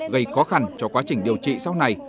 gây khó khăn cho quá trình điều trị sau này